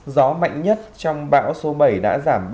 gió mạnh nhất trong bão số bảy đã giảm